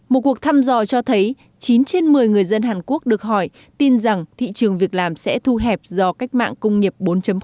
một cuộc thăm dò cho thấy chín trên một mươi người dân hàn quốc được hỏi tin rằng thị trường việc làm sẽ thu hẹp do cách mạng công nghiệp bốn